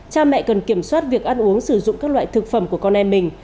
cha mẹ cần kiểm soát việc ăn uống sử dụng các loại thực phẩm của con em mình